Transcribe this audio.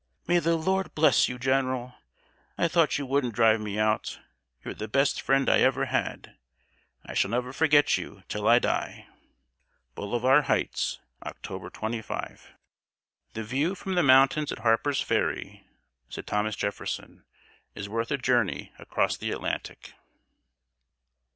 "May the Lord bless you, General! I thought you wouldn't drive me out. You'se the best friend I ever had. I shall never forget you till I die." BOLIVAR HIGHTS, October 25. "The view from the mountains at Harper's Ferry," said Thomas Jefferson, "is worth a journey across the Atlantic."